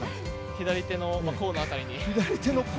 左手の甲の辺りに。